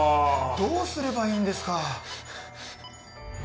どうすればいいんですか？